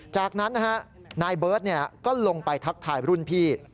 จากนั้นนายเบิร์ตก็ลงไปทักทายรุ่นพี่